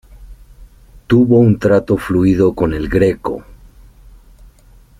Tuvo un trato fluido con El Greco.